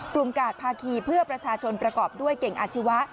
กาดภาคีเพื่อประชาชนประกอบด้วยเก่งอาชีวะ